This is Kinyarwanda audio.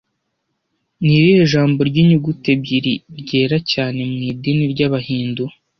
Ni irihe jambo ry'inyuguti ebyiri ryera cyane mu idini ry'Abahindu